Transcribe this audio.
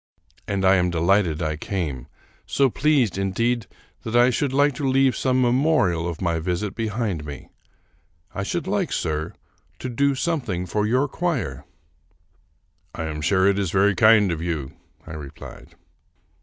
And I am delighted I came; so pleased, indeed, that I should like to leave some memorial of my visit behind me. I should like, sir, to do something for your choir." " I am sure it is very kind of you," I replied.